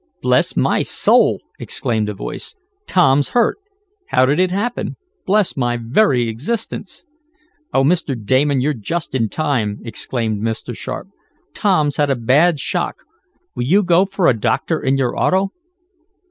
"Bless my soul!" exclaimed a voice. "Tom's hurt! How did it happen? Bless my very existence!" "Oh, Mr. Damon, you're just in time!" exclaimed Mr. Sharp, "Tom's had a bad shock. Will you go for a doctor in your auto?"